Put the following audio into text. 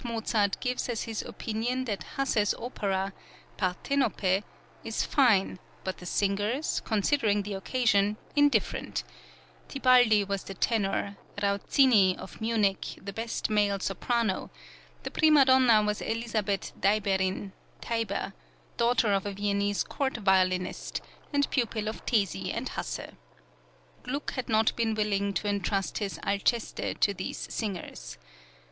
Mozart gives as his opinion that Hasse's opera ("Partenope") is fine, but the singers, considering the occasion, indifferent; Tibaldi was the tenor; Rauzzini, of Munich, the best male soprano; the {GLUCK'S "ALCESTE."} (69) prima donna was Elizabeth Deiberin (Teyber), daughter of a Viennese court violinist, and pupil of Tesi and Hasse. Gluck had not been willing to entrust his "Alceste" to these singers.